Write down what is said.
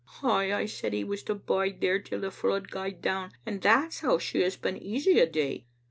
Ay, I said he was to bide there till the flood gaed down, and that's how she has been easy a' day.